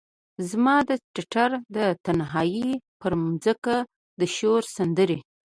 زما د ټټر د تنهایې پرمځکه د شور سندرې،